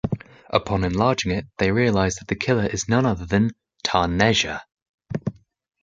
Upon enlarging it, they realize that the killer is none other than Tarneja.